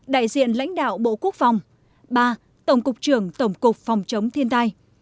đại diện lãnh đạo bộ quốc phòng ba tổng cục trưởng tổng cục phòng chống thiên tai